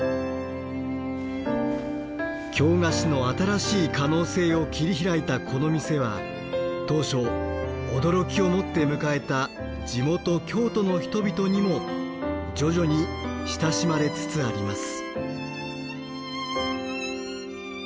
京菓子の新しい可能性を切り開いたこの店は当初驚きを持って迎えた地元京都の人々にも徐々に親しまれつつあります。